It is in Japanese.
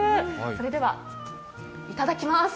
それではいただきます。